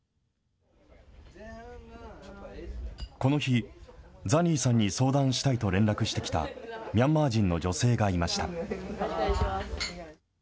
この日、ザニーさんに相談したいと連絡してきたミャンマー人の女性がいました。